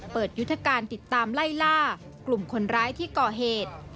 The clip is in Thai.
ยุทธการติดตามไล่ล่ากลุ่มคนร้ายที่ก่อเหตุ